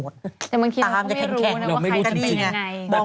แต่บางทีเราก็ไม่รู้นะว่าใครจะตียังไง